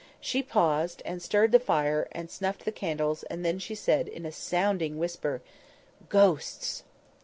She paused, and stirred the fire, and snuffed the candles, and then she said, in a sounding whisper— "Ghosts!"